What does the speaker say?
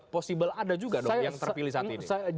possible ada juga dong yang terpilih saat ini